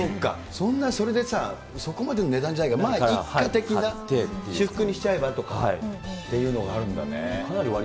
そんな、それでさ、そこまでの値段じゃないから、まあいっか的な、にしちゃえばっていうのがあるのね。